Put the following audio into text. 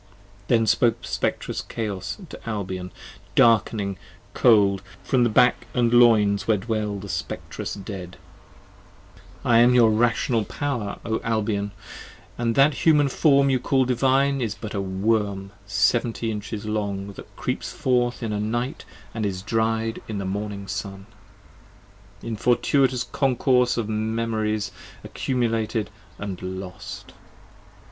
Then spoke the Spectrous Chaos to Albion, dark'ning, cold, From the back & loins where dwell the Spectrous Dead : 5 I am your Rational Power, O Albion, & that Human Form You call Divine, is but a Worm seventy inches long That creeps forth in a night & is dried in the morning sun, In fortuitous concourse of memorys accumulated & lost.